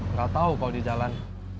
nggak tahu kalau di jalan